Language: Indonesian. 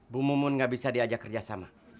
bu mumun gak bisa diajak kerja sama